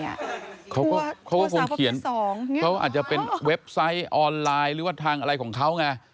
แพ็คเกจทัวร์ทัวร์ศาวประเภทสองเขาก็คงเขียนเขาอาจจะเป็นเว็บไซต์ออนไลน์หรือว่าทางอะไรของเขาไง